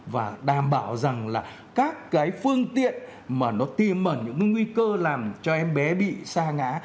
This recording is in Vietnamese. và đảm bảo rằng là các cái phương tiện mà nó tiêm ẩn những nguy cơ làm cho em bé bị xa ngã